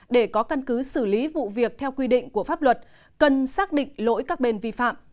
để có căn cứ xử lý vụ việc theo quy định của pháp luật cần xác định lỗi các bên vi phạm